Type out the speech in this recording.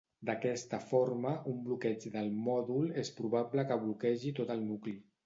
D'aquesta forma, un bloqueig del mòdul és probable que bloquegi tot el nucli.